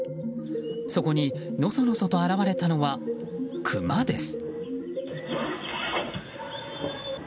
そこに、のそのそと現れたのはクマです。